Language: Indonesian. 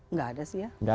nggak ada sih ya